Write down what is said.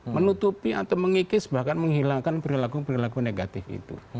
menutupi atau mengikis bahkan menghilangkan perilaku perilaku negatif itu